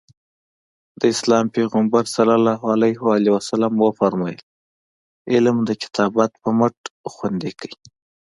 د اسلام پیغمبر ص وفرمایل علم د کتابت په مټ خوندي کړئ.